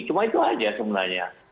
cuma itu aja sebenarnya